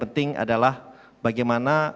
penting adalah bagaimana